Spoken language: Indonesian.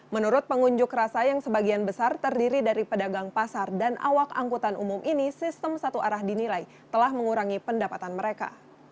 menurut pengunjuk rasa yang sebagian besar terdiri dari pedagang pasar dan awak angkutan umum ini sistem satu arah dinilai telah mengurangi pendapatan mereka